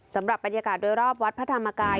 สำหรับบรรยากาศโดยรอบวัดพระธรรมกาย